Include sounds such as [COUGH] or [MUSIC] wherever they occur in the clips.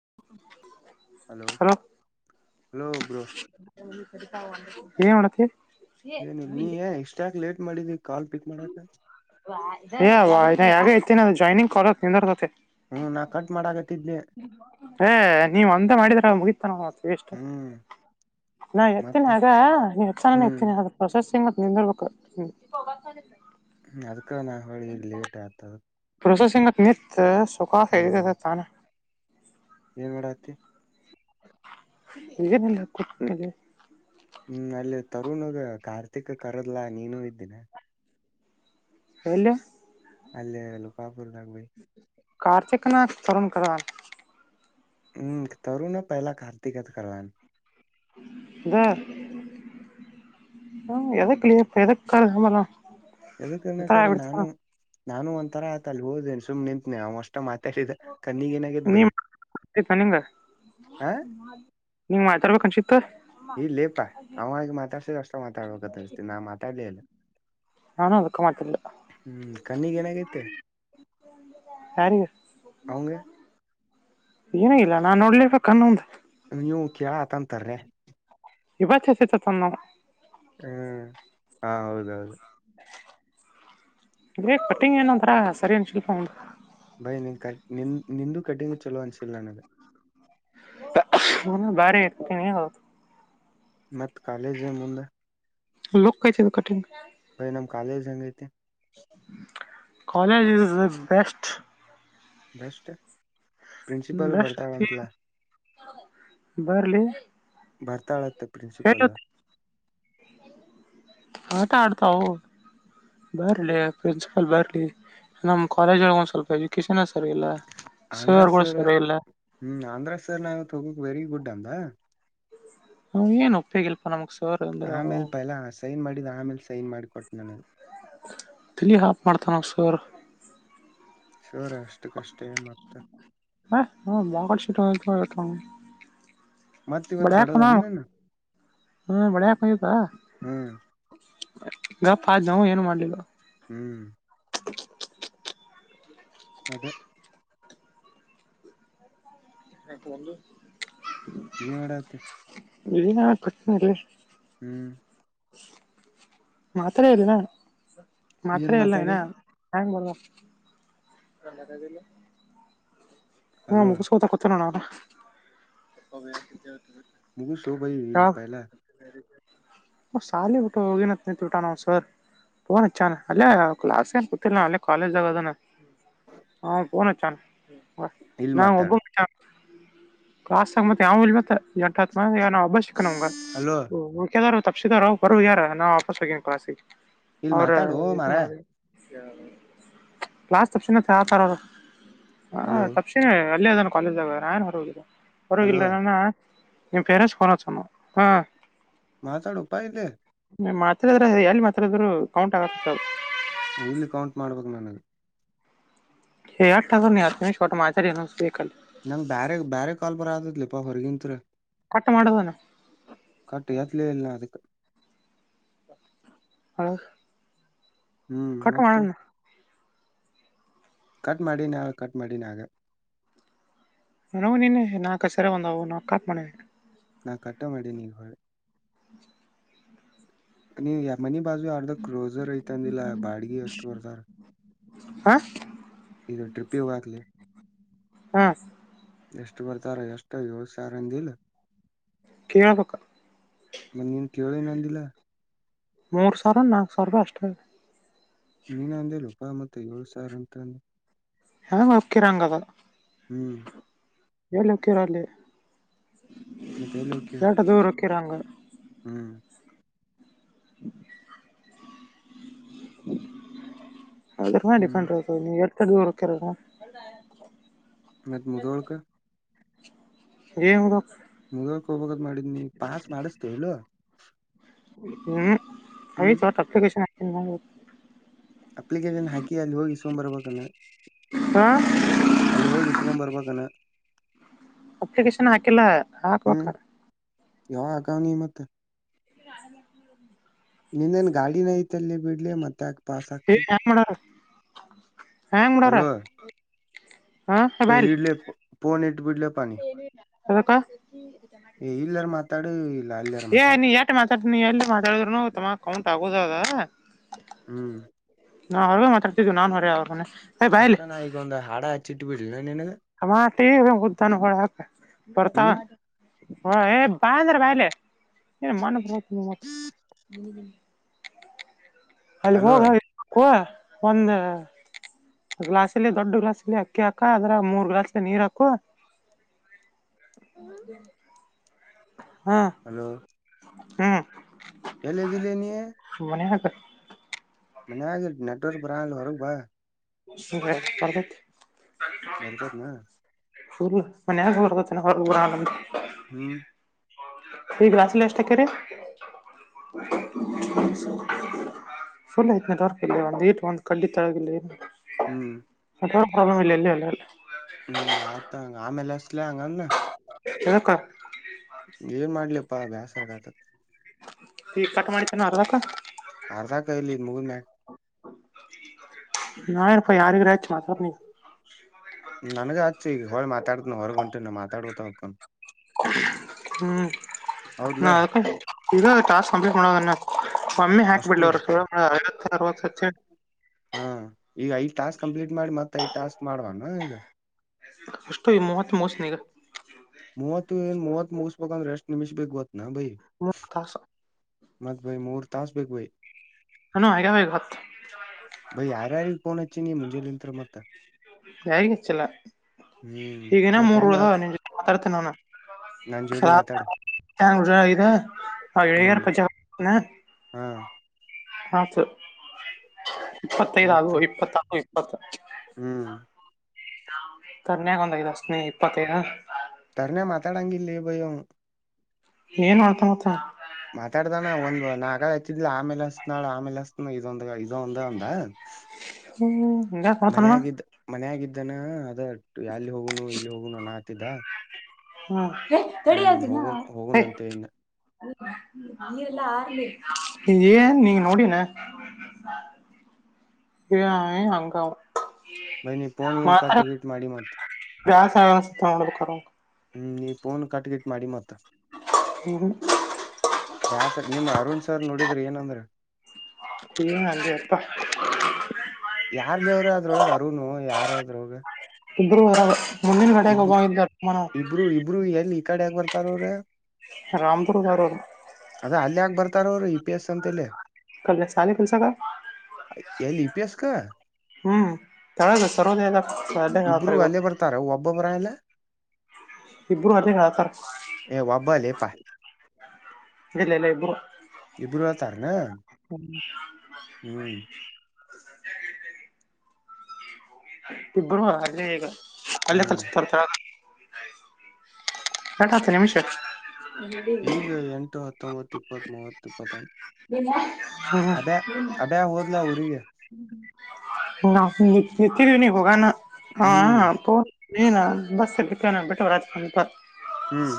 ಹ- hello hello bro ಏ -ಮಾಡತ್ತ ಏನಿಲ್ಲ -ನೀ -ಎಷ್ಟಾಕ್ ಲೇಟ್ ಮಾಡಿದೀ ಕಾಲ್ ಪಿಕ್ ಮಾಡಾಕ್ಕೆ ಏ- ಯಗ ಇಐತನ ಜಾಯ್ನಿಂಗ್ ಕೊ ನಿಂದ್ರ ಕತೆ. ಹ್ಮ್ -ನಾ -ಕಟ್ ಮಾಡಾಗ ಏ -ನೀವ ಒಂದ ಮಾಡಿದ್ರ ಮುಗತಾನ ಮತ್ತ ಎಷ್ಟ. ಹ್ಮ್ ನಾ ಮತ್ತ -ಇರ್ತೇನಿ ಆಗ ನೀಸ ಹ್ಮ್ ಇರ್ತೀನಿ ಅದ್ರ ಪ್ರೊಸೆಸ್ಂಗ. ನಿಂದ ಬಕ್ಕ -ಹ್ಮ ಅದ್ಕ- ನಾ -ಹೇಳಿ ಲೇಟ್ ಆಗ್ತದ ಪ್ರಸ ಸಿಂಗ ನಿತ್ ಹ್ಮ್ ಸುಖನಿತಾ ಏನ್ ಮಾಡಡತಿ ಹಗನೆಲ್ಲ ಕುೂತ್ ಹ್ಮ್- ಅಲ್ಲಿ ತರುಣಗ ಕಾರ್ತಿಕ್ ಕರದ್ಲಾ ನೀನುೂ ಇದ್ದೀನ ಎಲ್ಲ ಅಲ್ಲೇಲ್ಲೂ ಕಾಪುರ್ದಗ್ ಕಾರ್ತಿಕನ ಸರಣ -ಕ ಹ್ಮ್- ತರುಣ ಅಂತ ಕರಿಲ ಕಾರ್ತಿಕ್ ಅಂತ ಕರಿಲಾ. ಇದ -ಹ ಎದಕ್ಕಲ ಎಕ್ಕಾದಮ್ಮಾ ಎದಕ್ಕನಕ್ರ ನಾನು ನಾನು ಒಂದ ತರ ಆಯತ ಅಲ್ಲಿ ಹೋದೇನೆ ಸುಮ್ ನಿಂತನನೆ ಅವಸ್. ಮಾತಾಡಿದ ಕನ್ನಿಗ ಏನಾಗ್ಯದ- ನೀ ಬೈ- ನಿಂಗ ಹ ನೀವ್ ಮಾತಾಡ್ಬೇಕ್ ಅನ್ಸಿತ್ತ ಇಲ್ಲೇಪ ಅವವಾಗಿ ಮಾತಾಡ್ಸ ಅಷ್ಟು ಮಾತಾಡ್ಬೇಕಂತ ಅಸ್ತೀ ನಾಮಾತಾಡ್ಲಿಲ್ಲ ನಾನು ಅದಕ್ಕ ಮಾತಿಲ್ಲ ಹ್ಮ್ ಕಣ್ಣಿಗ್ ಏನಾಗೈತೆ ಯಾರಿಗೆ ಅವಂಗ ಏನಾಗಿಲ್ಲ ನಾನ್ ನೋಡ್ಲಿಬೇಕನ್ನೊಂದು ನೀವು ಕೇಳತಂತರ್ರೆ ಇವತ್ಸತತ್ ನಾವು ಹ್ಮ- ಹಾ- ಹೌದೌದು ಬೇ- ಪಟ್ಟಿಂಗ ಏನಂತರ ಸರಿ ಅನ್ ಶಿಲ್ಪ ಉಂಟ ಭೈ- ನೀನ್ -ಕ -ನಿ -ನಿಂದು ಕಟ್ಟಿಂಗ್ ಚಲೋ ಅನ್ಸಿಲ್ಲ ನನಗೆ. ಬಾರಿ ಆತದು ಮತ್ತ್ ಕಾಲೇಜೆ ಮುಂದೆ ಲಕ್ ಕಾಯತ ಕಠಿಂಗ ಭೈ- ನಮ್ ಕಾಲೇಜ್ ಹಂಗ ಐತೆ ಕಾಲೇಜ್ ಇಸ್- ದ -ಬೆಸ್ಟ್ ನಷ್ಠೆ ಪ್ರಿನ್ಸಿಪಲ್ ಬೆಸ್ಟ್ ಐತಿ ಬರ್ತಾಳಂತಲಾ ಬರ್ಲಿ ಬರತಾಳ ಪ್ರಿನ್ಸಿಪಲ್ ಹೇಳುತ್ತೆ ಸಟತಾವೋ ಬರಲಿ ಪ್ರಿನ್ಸಿಪಲ್ ಬರಲಿ ನಮ್ಮ್ ಕಾಲೇಜ್ ಒಂದ್ ಸ್ವಲ್ಪ ಎಜುಕನ್ ಆಂಧ್ರ ಸರ್- ಇಲ್ಲ ಹ್ಮ್ -ಆಂಧ್ರ ಸರ್ ನಾವವು ತಗೋಕ್ ವೆರಿ ಗುಡ್ ಡಂಗ್ ಹ- ಏನುಪ್ಪೆಗಲ್ಫ ನಮುಸ್ ಆಮೇಲ್ ಪಯಲ ಸೈನ್ ಮಾಡಿದ್ ಆಮೇಲ್ ಸೈನ್ ಮಾಡಿಕೊಟ್ಟ ನನಗ ತಿಳ ಹಾಪ್ ಮಾಡ್ತಾನೆ ಸರ್ ಶೋರ ಅಷ್ಟು ಕಷ್ಟೇ ಮತ್ತ ಹ ಹ ಬಂಗ ಸಿಟತ [INAUDIBLE] ಮತ್ತ ಇವತ್ತು ಬಡದನ ನಿನ್ನ? ಹ್ಮ ಬಡ್ಯಕ ಹಯತ ಹ್ಮ್ ಗಪ್ಪ ಅ ನಾವವು ಏನು ಮಾಡ್ಲಿಲ್ಲ ಹ್ಮ್ [INAUDIBLE] ಅದ ಹಾ ಬು ಏನ್ ಮಾಡಡತ್ತೆ? ಇಡ ನ ಕುತ್ತಿನಲ್ಲಿ ಹ್ಮ್ ಮಾತ್ರರೆ ಇಲ್ಲನಾ ಏನ್ ಮಾತ್ರೆ ಇಲ್ಲ ಏನ ಮಾತಾಡಿಲ್ಲ [INAUDIBLE] ಹ ಹಲೋ ಮುಗಸ್ಕೋತ ಕೊತ ನ ನ ಮುಗುಸೋ ಭೈ ಇಲ್ಲಿ ಪಾಯಲ್ಲ ಹ ಸಾಲೆ ಬಿಟ ಹೋಗಿನತ್ ನಿತ್ ಬಿಟಾ ನಾವು್ ಸರ್ ಫೋನ್ ಚನ್ ಅಲ್ಲೇ ಕ್ಲಾಸ್ ಏನ್ ಗೊತ್ತಿಲ್ಲ ಅಲ್ಲೇ ಕಾಲೇಜ್ ಆಾಗ ಅದನ ಹಾ ಪೋನ್ ಅಚ್ಚಾನ್ ಇಲ್ ನಾ್ ಮಾತಾಡ ಒಬ್ಬ [INAUDIBLE] ಕ್ಲಾಸ್ ಮತ್ತ ಯಾವ ಮತ್ತ ಎಂಟತ್ ಮಂದಿ ನಾ ಒಬ್ಬಸ್ ಸಿಕ್ಕೆನಿ ಅಲೋ ನಮಗ್ಯದ ತಪ್ಪಸಿದಾರ ಬರು ಯಾರ ನಾ ವಾಪಸ್ ಹೋಗೇನಿ ಕ್ಲಾಸಿ ಇಲ್ ಅವ್ರ ಮಾತಾಡು ಇದನ ಮರ ಮಾಡದು ಕ್ಲಾಸ್ ಸ್ ತಪ್ಸೆನ ರ ಅಲೋ ಹ ಅಲ್ಲೇ ಅದಾನ ಕಾಲೇಜ್ಾಗ ನನ್ ಹೊರೋಗಿದಲ್ ಅಲೋ ಹೊರೋಗಲ್ರ ನಾನ ನಿಮ್ಮ ಪೆರಸ್ಫನ ಪೋನ್ ಚನ್ನ ಹ ಮಾತಾಡಪಾಯ ಇಲ್ಲ ಎಲ್ಲಿ ಮಾತ್ರಿದ್ರೆ ಎಲ್ಲಿ ಮಾತ್ರಿದ್ರು ಕೌಂಟ್ ಆಗತ್ತ ಇಲ್ಲಿ ಕೌಂಟ್ ಮಾಡ್ಬೇಕು ನನ್ದು. ಹೇ ಹಾರ ಟಕೊಂಡ ಮಾಚಾರ ಎನು ನಂಗ್ ಬೇರೆ ಬೇರೆ ಕಾಲ್ ಬರದ್ಲಿಪಾ ಹೊರಗಿಂತ್ತ್ರ. ಕಟ್ ಮಾಡ ಅದನು ಎತ್ಲೇ ಇಲ್ಲ ಅದಕ್ ಹ ಹ್ಮ್ ಮತ್ತ ಕಟ್ ಮಾಡಿ ನ ಕಟ್ ಮಾಡಿನಾಗ ಹ ನಿನ್ನ ನಾಕ ಸರ ಒಂದಾವ ನಾ ಕಾತ್ ಮಾಡಣನೆ ನಾ ಕಟ್ಟ ಮಾಡೇ ನೀಗ ನೀ ಯ ಮನಿ ಬಾಜು ಯಾರ್ದ ಕ್ರೋಸರ್ ಐತಂದಿಲ್ಲಾ ಬಾಡ್ಗಿ ಎಷ್ಟು ಬರ್ತಾರ? ಹಾ ಇದು ಟ್ರಿಪ್ ಹೋಗಕ್ಲಿ? ಹ್ಮ ಎಷ್ಟು ಬರ್ತಾರ ಎಷ್ಟು ಯೋಸಾರಂದಿಲ್ಲ ಕೇಳಬಕ್ಕ ಮತ್ತ ನೀನ್ ಕೇಳಿನ ಅಂದಿಲ್ಲ ಮೂರ್ ಸಾವಿರ ನಾಕು ಸಾವಿರ ರೂಪಾಯಿ ಅಷ್ಟೇ ನೀನ ಅಂದಿಲೋಪಾ ಮತ್ತುತ್ತ ಏಳು ಸಾವಿರ ಅಂತಂದುೆ ಹಕರಾಂಗದ. ಹ್ಮ್. ಹೇಳಲ್ಲಕ್ಕರಲ್ಲಿ. ಮತ್ತ ಎಲೋಕೀಯ. ಕಿರಂಗ. ಹ್ಮ್. [INAUDIBLE] ಅದ ರೂ ಹ್ಮ್ ಡಿಪೆಂಡ ನೀ ಎತ ದೂ. [UNINTELLIGIBLE] ಮತ್ ಮುದೋಳಕ. ಏ [INAUDIBLE] ಮುದ್ಕ ಹೋಗಬದ ಮಾಡಿದ್ ನೀ ಪಾಸ್ ಮಾಡಿಸತೇ ಎಲ್ಲ. ಹ್ಮ್ ಆಯತ್ ಅಪ್ಲಿಕೇಶನ್ ಅಕಿತೀನಿ. ಅಪ್ಲಿಕೇಶನ್ ಹಾಕಿ ಅಲ್ಲಿ ಹೋಗಿ ಇಸ್ಕೊಬೆರ್ಬೇಕು ಅಲ್ಲಾ. ಹಾ ಅಲ್ಲಿ ಹೋಗಿ ಇಸ್ಕೊಬೆರ್ಬೇಕೇನೋ. ಅಪ್ಲಿಕೇಶನ್ ಹಾಕಿಲ್ಲ ಹಾಕ್ಬೇಕ ಯಾವ ಆಕನೀ ಮತ್ತೆ. [INAUDIBLE] ನಿನ್ನೇನ್ ಗಾಡಿನೈಐತಲ್ಲಿ ಬಿಡ್ಲಿ ಮತ್ತೆ ಯಾಕೆ. ಏ ಹೆಂಗ ಮಾಡಾರ ಹೆಂಗ ಮಾಡಾರ. ಹಾ ಏ ಬಾ ಇಲ್ಲಿ ಇಡ್ಲ ಪೋನ ಇಡ ಬಿಡ್ ಅದಕ್ಕ ಇಲ್ಲ ಮಾತಾ ಇಲ್ಲಾ ಅಲ್ಲಿರ್ ಏ ಮಾತಾಡ ಎಟ್ ನೀ ಎಲ್ಲಿ ಮಾತಾಡಿದ್ರುನು ತಮ್ಮ ಅಕೌಂಟ್ ಆಗೋುದದ ಹ್ಮ್ ನಾ ಅವ್ರಗ ಮಾತಾಡ್ತಿದ್ದ್ ನಾನ್ ಹೊರ ಅವಾಗನನೆ. ಅದ್ಕಾ ಈಗ ಒಂದು ಹಾಡ ಹಚ್ಚಿಟ್ಟು ಬಿಡ್ಲ್ಲ ನಿನಗ ಅ ಮಾಡ ಮುುದ್ಧಾ [UNINTELLIGIBLE] ನ ಹೊಳ ಬರ್ತವ ಹ್ಮ್ ಹ ಏ ಬಾ ಅಂದ್ರ ಬಾಯಲೆಏ ಮ [UNINTELLIGIBLE] ಅಲ್ಲಿ ಅಲೋ ಹೋಗವಾ ಒಂದ ಗ್ಲಾಸ್ಲ್ ದೊಡ್ಡ ಗ್ಲಾಸ್ಲ್ ಅಕ್ಕಿ ಹಾಕ ಅದ್ರ ಮೂರ್ ಗ್ಲಾಸ್ಲಿ ನೀರ್ ಹಾಕ ಹಾಗೌ [INAUDIBLE] ಹಲೋ ಹ್ಮ್ ಎಲ್ಲದಲೇ ನೀ ಮನೆ ಹಾಕ ಮನ್ಗ ನೆಟ್ವರ್ಕ್ ಬ್ರಾಾಣಲ್ ಹೊರ ಬಾ ಸ ಪರ್ತ ಬರ್ತತ್ನ ಹಲ್ ಮನರ್ ಹೊರಊರ ಹ್ಮ್ ಹಗ್ಲಾಸ್ ಲಷ್ಟಟಕರೆ ಫುಲ್ ಐತ್ನಟರ ಇಲ್ಲ ಅ ಒಂದು ವಟ ಒಂದು ಕಂಡಿತ ಆಲ್ಲ ಹ್ಮ್ ಇಲ್ಲ ಇಲ್ಲಿ ಅಲ್ಲಲ್ಲ ಹ್ಮ್ ಆತಂಗ ಆಮೇಲೆ ಅಸ್ಲ ಹಂಗ ಹಕ್ಕ ಏನ್ ಮಾಡ್ಲಿಪ್ಪಾ ಬ್ಯಾಸರ್ಕ ಆತತ್ ಈ ಕಟ ಮಾಡಣಿ ತ ನಾರದಕ ಅರ್ಧ ಕಲಿ ಮುಗು ಮ್ಯ ನಾಪ್ಪ ಯಾರಿಗೆರಾ ನನಗೆಚೋ ಹಳ ಮಾತಾಡತ ನು ಹೊರಘಂಟು ಮಾತಾಡವ ತ ಹಕ್ಕೊಂಡು ಹ್ಮ್ ಹೌದ್ಲ ನ ಅ ಈಗ ತಾಸ ಸಂಪಟ್ನ್ನ ಕಮ್ಮಿ ಅಷ್ಟು ಹಾಕಬಿಡಲಿ ಅವರ ಐವತ್ತು ಅರವತ್ತುಚ್ಚ ಹಾ ಈಗ ಐದ್ ಟಾಸ್ಕ್ ಕಂಪ್ಲೀಟ್ ಮಾಡಿ ಮತ್ತತ್ ಐದ್ ಟಾಸ್ಕ್ ಮಾಡವಾನ ಈಗ ಅಷ್ಟೋ ಈ ಮಹತ್ ಮೋಸ್ನಗ ಮೂಸಕ ರೆಸ್ಟ್ ನಿಮಿಷ ಭಗ್ಗತ್ತು ನ ಭೈ ಮೂವತ್ತು ತಾಸು ಮತ್ ಬೈ ಮೂರ್ ತಾಸ್ ಬೇಕ್ ಬೈ ನಾನು ಆಗ್ಯಾವ ಈಗ ಹತ್ತು ಬೈ ಯಾರು ಯಾರಿಗೆ ಫೋನ್ ಹಚ್ಚಿ ಮುಜೆ ಲಂತ್ರ್ ಮತ್ತ ಯಾರಿಗೆ ಚಲ್ಲ ಹ್ಮ್ ಈಗಿನ ಮತ್ ಮೂರ್ಳ ಹೆಂಗ ನಿ ಜೊತೆ ಮಾತಾಡ್ತೇನ ನಾನ ನನ್ ಜೋಡಿ ಮಾತಾಡ ಗ ಹ್ಮ್ ಪ ಹಾ ಆತು ಇಪ್ಪತ್ತದು ಮತ್ತ ಇಪ್ಪತ್ತ ಇಪ್ಪತ್ತು ಹ್ಮ್ ಕರ್ನ್ಯಕ ಒಂದಗಿದ ಸ್ನೇ ಇಪ್ಪತ್ತೖದ ನನೇ ಮಾತಾಡಂಗಲ್ಲಿ ಭಯ ಏನುತ ಆತ ಮಾತಾಡ್ದಾನ ಒಂದ್ ನಾಗ ಹಚ್ಚಿದ್ಲ ಆಮೇಲೆ ಹಸನಾಳ ಆಮೇಲೆ ಹಸತ್ನಾ ಇದೊಂದ ಇದೊಂದ ಒಂದ ಹ್ಮ ಮನ್ಯಾಗಿದ್ದ ಮನಯಾಗಿದ್ದಾನ ಅದ ಎಲ್ಲಿ ಹೋಗನು ಇಲ್ಲಿ ಹೋಗುನು ಅನ್ನ ಆತಿದ್ದ ಹ್ಮ ಹ್ಮ್ ರೆಡಿಿನ ಹೋಗುನ್ ಹೋಗುನಂತೆ ಇನ್ನ ಏನ್ ನೀ ನೋಡಿನ ಹ ಹಂಗ ಬೈ ನಿ ಪಫೋನ್ಗನ್ ಕಟ್ಟ ಗಿಟ್ ಮಾಡಿ ಮತ್ತ ವಾಸರ [UNINTELLIGIBLE] ಹ್ಮ್ ನೀಫೋನ್ ಕಟ ಗಿಟ್ ಮಾಡಿ ಮತ್ತ ಹ್ಮ್ ಬ್ಯಾಾಸರ್ ನಿಮ್ಮ್ ಅರುಣ್ ಸರ್ ನೋಡಿದ್ರಿ ಏನಂದ್ರ ತೀ ನಲ್ಲಿ ಎಪ್ಪ ಯಾರ್ಲಿ ಅವರು ಅದ್ರೊಳಗೆ ಅರುನು ಯಾರ ಅ್ರಳ ಇದರುರ ಮುಂದಿನ ಕಡೆಗೆ ಹೋಗ್ದ ಮನ ಕಡಕ್ ಬರ್ತಾರ ಅವ್ರೆ ರಾಮದುರ್ಗಾ ಅವಾರದು ರು ಇ ಪಿ ಎಸ್ ಅಂತಲೆ ಕಲ್ ಚಲ್ಲ ಕಲ್ಸಗ ಎಲ್ಲಿ ಇ ಪಿ ಎಸ್ ಕ ಹ್ಮ್ ತಳದು ಸರ್ವೋದಯದಾಗ ಇಬ್ರು ಅಲ್ಲೇ ಬರ್ತಾರ ಒಬ್ಬೊಬ್ಬರ ಎಲ್ಲ ಇಬ್ಬರು ಅಲ್ಲಿ ಹತಾರೆ ಏ ಒಬ್ಬ ಲೇಪಾ ಇಲ್ಲ ಇಲ್ಲ ಇಬ್ಬರು ಇಬರು ತಾರ ನ ಸಳ್ತ ಇಬ್ಬರು ಅಲ್ಲೇ ಈಗ ಅಲ್ಲೇ ಕ ಹ್ಮ್ ತರ್ತ ಎ ಹತ್ತು ನಿಮಿಷಕ್ಕೆ ಈಗ ಎಂಟು ಹತ್ತೊಂಬತ್ತು ಇಪ್ಪತ್ ಮೂವತ್ ಇಪ್ಪತ್ತೊಂದು ಹಾ ಅಬ್ಯಾ ಅಬ್ಯಾ ಹೋದ್ಲ ಊರಿಗೆ ವಿ ನೀ ಹೋಗಾನ ಹಾ ಹ್ಮ್ ನೀಏನ ಬಸ್ ಬಿ್ರ ನ ಬಿಟ್ಟವ ರಾಜಕಪ ಹ್ಮ್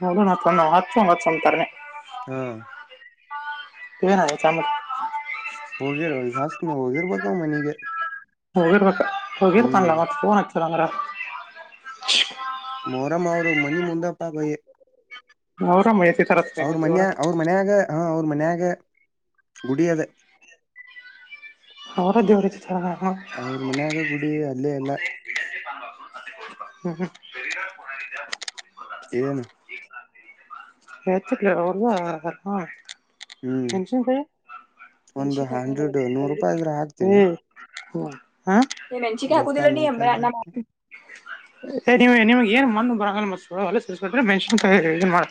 ಹೌಡ ನ ತಂದ ಹಚ್ ಹಚ್ೊೊಂಡ ತರನ ಹಾ ಇನ ಚಾಮ ಹೋಗಿರ ಜಾಸ್ತಿ ನೀ ಹೋಗಿರ್ಬೇಕ ಮನಗೆ ಹೋಗಿರ್ಬೇಕ ಹೋಗಿರ್ತನ್ಲ್ಲ ಮತ್ತ ಫೋನ್ ಹಚ್ಚದಂದ್ರ ಮೊರಂ ಅವರು ಮಣಿ ಮುಂದಪ್ಪಾಗಯೇ ನೌರಾಮತ [INAUDIBLE] ಅವ್ರ ಮನ್ಯ ಅವ್ರ ಮನ್ಯಾಗ ಹಾ ಅವ್ರ ಮನ್ಯಾಗ ಗುಡಿಯದ ಅವರ ದೇವ್ರ ತರ ಅವ್ರ ಮನ್ನಾಗ ಗುಡಿ ಅಲ್ಲೇ ಎಲ್ಲ ಹ್ಮ್ ಹ್ಮ್ [INAUDIBLE] ಏನು ತ ಅವದ [INAUDIBLE] ಹ್ಮ್ ಒಂದು ಮೆಣ್ಸಿಕ್ ಹಂಡ್ರೆಡ್ ನೂರು ರೂಪಾಯ ಇದ್ರ ಹಾಕ್ತೀನ ಹ ಹ ಮಚ ಹಾಕು [INAUDIBLE] ರೊಕ್ಕ ದಲ್ಲ ನೀ ನೂರು ಅ ರೂಪಾಯಿ ಇದ್ರ ಅಣ್ಣ ಮಾ ಹಾಕ್ತಿ ನೀ ನಿಮಗೆ ಏನ್ ಮ ಬರಂಗ್ರೆ ಮೆನ್ನ್ ಮಾಡ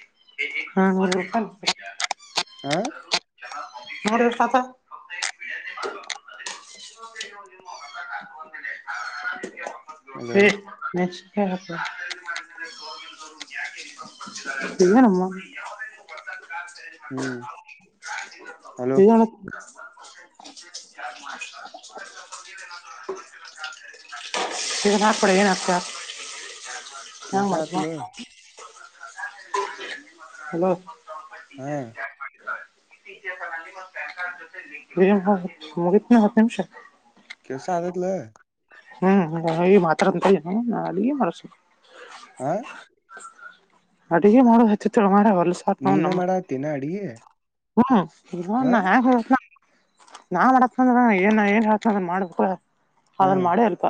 [INAUDIBLE] ಹಾ ಹ ನರ ಕಥ [INAUDIBLE] ಹ ಹಲೋ ನಿ [INAUDIBLE] ಯನಪ್ಪ [UNINTELLIGIBLE] [UNINTELLIGIBLE] [UNINTELLIGIBLE] ಹ್ಮ್ ಹಲೋ ಇ ನ ಪಡ ಏನತ [INAUDIBLE] ಹೆನ್ ಕೆಲ್ಸ ಮಾಡ್ತೀರ ಆತ್ಲ ಹಲೋ [INAUDIBLE] ಹಾ ಗನ ಹತ್ತ ನಿಸ [INAUDIBLE] ಕೆಲಸ ಸಾಧತ್ಲ ಹ್ಮ್ ಮಾತ್ರ ಅಂತ ಅಲ್ಲಿ ಮಾಡಸ [INAUDIBLE] ಆ ಅಡುಗೆ ಮಾಡೋ ಹಚ್ಚುತ್ತ ಮಾರ ಅವ ನೀನ ಮಾಡ ಆತೇನಾ ಅಡಿಗೆ ಹ್ಮ್ ಇ ಹ ನಾ ಮಾಡತ್ [UNINTELLIGIBLE] ಅಂದ್ರ ಏನ ಗ್ ಹೇಳ್ತಂದ್ರ ಮಾಡ್ಕ ಹಾ ಅದನ್ ಮಾಡೇ ಇಲ್ಲಪ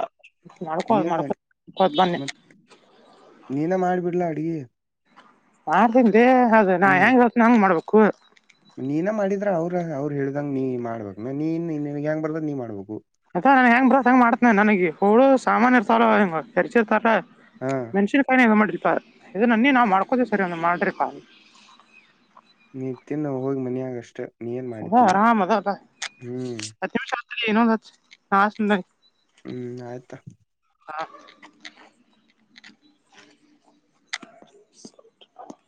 ಮಾಡ್ಕೋದು ಏನ ಮಾಡ್ಕೋಕದು ಕೊಟ್ಟ ಬನ್ನಿ. ಮತ್ ಡಿ. ಆರ್ ದನ್ದೇ ಅದ ನಾ ಹೆಂಗ ಹತ್ ನಂಗ ಮಾಡ್ಬೇಕು. ನೀನ ಮಾಡಿದ್ರ ಅವ್ರ ಅವ್ರು ಹೇಳ್ದಂಗ ನೀ ಮಾಡ್ಬಕ್ ನೀನ್ ಹೆಂಗ ಬರ್ದ ನೀ ಮಾಡ್ಬೇಕು. ಅದ ನನ್ ಹೆಂಗ್ ಬರತ್ ಹೆಂಗ ಮಾಡ್ತೇನೆ ನನಗೆ ಹುಳು ಸಾಮಾನನ್ ಇರ್ತಾರ ಹ ಹೆಂಗ ಹೆರ್ಚ ಇರ್ತಾರ ಹಾ ಮೆಣಸಿನ್ ಕಾಯಿ ಮಾಡ್ರಿ ಸರ್ ಇದನ್ನ ನನ್ನ ನಾವು ಮಾಡ್ಕೋತೇವಿ ಸರಿ ಒಂದು ಮಾಡ್ರಿ ಕ ನೀ ತಿನ್ನು ಹೋಗಿ ಮನ್ಯಾಗ್ ಅಷ್ಟೆ. ಅದ ಆರಾಮ ಅದ. ಹ್ಮ್ [UNINTELLIGIBLE] ಹ್ಮ್ ಆಯ್ತಾ. ಹಾ [INAUDIBLE]